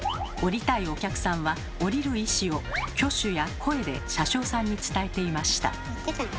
降りたいお客さんは降りる意思を挙手や声で車掌さんに伝えていました。